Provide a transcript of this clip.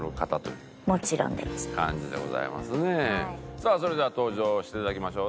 さあそれでは登場していただきましょう。